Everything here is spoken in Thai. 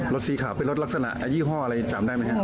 รถสีขาวเป็นรถลักษณะยี่ห้ออะไรจำได้ไหมครับ